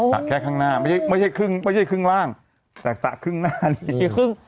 สระแค่ข้างหน้าไม่ใช่ครึ่งล่างแต่สระครึ่งหน้านี้